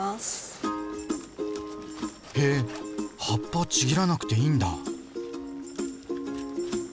へえ葉っぱちぎらなくていいんだ！